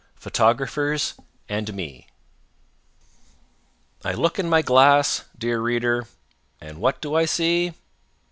PHOTOGRAPHERS AND ME I look in my glass, dear reader, and what do I see?